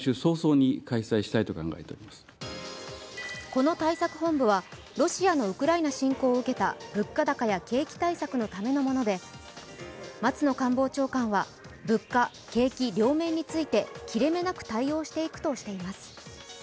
この対策本部はロシアのウクライナ侵攻を受けた物価高や景気対策のためのもので松野官房長官は物価・景気両面について切れ目なく対応していくとしています。